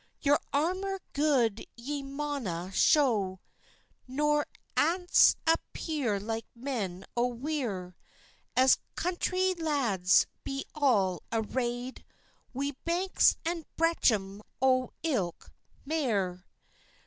"Your armour gude ye maunna shaw, Nor ance appear like men o weir; As country lads be all arrayd, Wi branks and brecham on ilk mare."